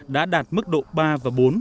đã đạt mức độ ba và bốn